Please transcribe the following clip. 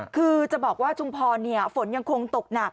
คือจะบอกว่าชุมพรฝนยังคงตกหนัก